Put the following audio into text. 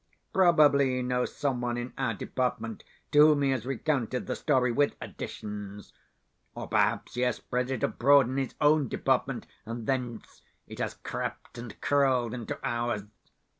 Probably he knows someone in our department to whom he has recounted the story with additions. Or perhaps he has spread it abroad in his own department, and thence, it has crept and crawled into ours.